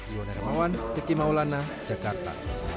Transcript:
iwan hermawan riki maulana jakarta